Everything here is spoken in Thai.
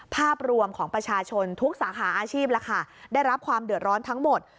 ภาพรวมของประชาชนทุกสาขาอาชีพล่ะค่ะได้รับความเดือดร้อนทั้งหมด